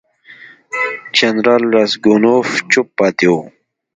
جنرال راسګونوف چوپ پاتې وو.